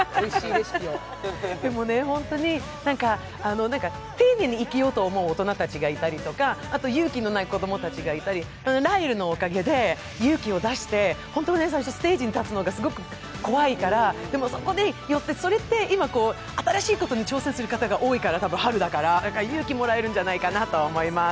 でもね、ホントに丁寧に生きようと思う大人たちがいたり勇気のない子供たちがいたり、ライルのおかげで勇気を出して、本当にステージに立つのがすごく怖いから、でも、今、新しいことに挑戦する方が多いから、多分春だから、勇気もらえるんじゃないかなと思います。